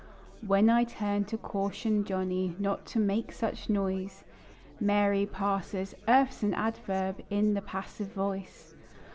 While I turn to caution Johnny Not to make such noise; Mary parses: "Earth's an adverb, In the passive voice."